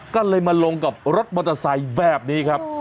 ก็เลยมาลงกับรถมอเตอร์ไซค์แบบนี้ครับ